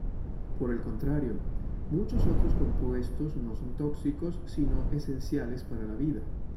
Por el contrario, muchos otros compuestos no son tóxicos sino esenciales para la vida.